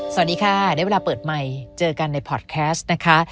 สวัสดีค่ะได้เวลาเปิดไมค์เจอกันในพอร์ตแคสต์นะคะ